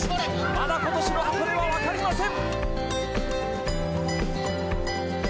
まだ今年の箱根はわかりません！